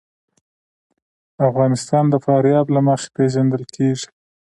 افغانستان د فاریاب له مخې پېژندل کېږي.